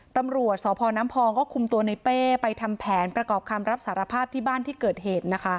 ต้องทิมตัวในเบ๊ไปทำแทนประกอบคำลับสารภาพที่บ้านที่เกิดเหตุ